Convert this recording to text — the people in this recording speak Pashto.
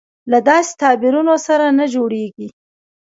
له داسې تعبیرونو سره نه جوړېږي.